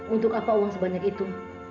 untuk apa uang sebanyak itu